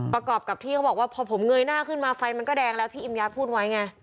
ประกอบกับที่เขาบอกว่าพอผมเงยหน้าขึ้นมาไฟมันก็แดงแล้วพี่อิมยัดพูดไว้ไง